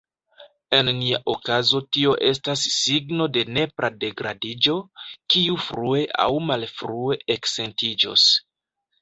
En nia okazo tio estas signo de nepra degradiĝo, kiu frue aŭ malfrue eksentiĝos.